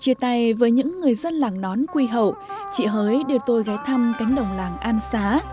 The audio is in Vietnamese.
chia tay với những người dân làng nón quy hầu chị hới đưa tôi ghé thăm cánh đồng làng an xá